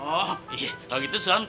oh iya kalau gitu soan